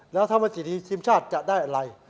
แล้วถ้ามาฉีดทีมชาติจะได้อะไร